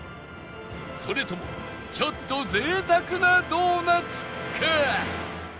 それともちょっと贅沢なドーナツか？